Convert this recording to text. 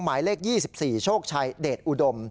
หมายเลข๒๔โชคชัยเดชอุดม